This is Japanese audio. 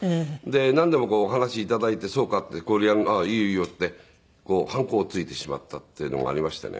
なんでも話を頂いてそうかってこれいいよいいよってハンコをついてしまったっていうのがありましてね